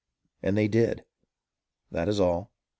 And they did. That is all.